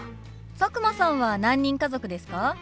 佐久間さんは何人家族ですか？